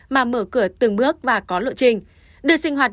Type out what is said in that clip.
mà mở cửa từng bước và có lộ trình